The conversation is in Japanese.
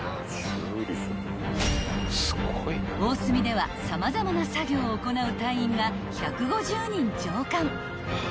［おおすみでは様々な作業を行う隊員が１５０人乗艦］